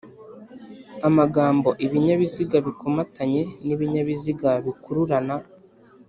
Amagambo "ibinyabiziga bikomatanye n’ibinyabiziga bikururana"